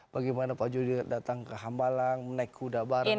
bagaimana pak juli datang ke hambalang menaik kuda bareng